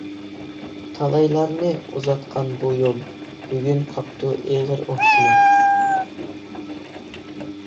تالايلارنى ئۇزاتقان بۇ يول، بۈگۈن قاپتۇ ئېغىر ئۇھسىنىپ.